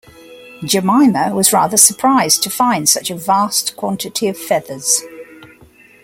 Jemima was rather surprised to find such a vast quantity of feathers.